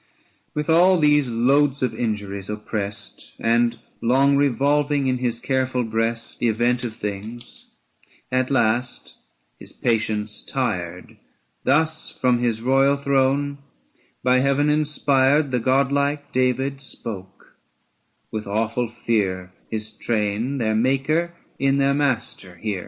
A With all these loads of injuries opprest, ^^Cvy^jf And long revolving in his careful breast The event of things, at last his patience tired, 935 Thus from his royal throne, by Heaven inspired, The godlike David spoke ; with awful fear His train their Maker in their master hear.